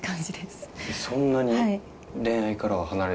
そんなに恋愛からは離れてる？